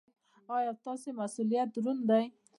ایا ستاسو مسؤلیت دروند دی؟